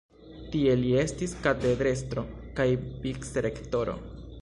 Tie li estis katedrestro kaj vicrektoro.